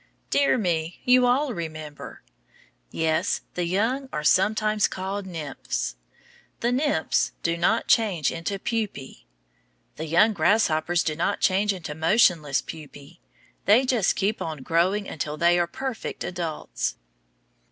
Dear me, you all remember! Yes, the young are sometimes called nymphs. The nymphs do not change into pupæ. The young grasshoppers do not change into motionless pupæ, they just keep on growing until they are perfect adults.